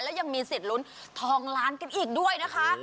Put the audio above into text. และยังมีสิทธิ์ลุ้นทองล้านกันอีกด้วยนะคะ